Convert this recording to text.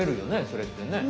それってね。